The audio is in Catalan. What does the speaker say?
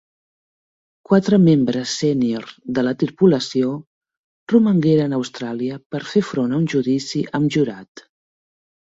Quatre membres sènior de la tripulació romangueren a Austràlia per fer front a un judici amb jurat.